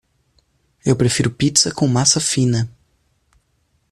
Eu prefiro pizza com massa fina.